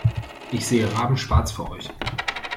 Ich sehe rabenschwarz für euch.